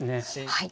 はい。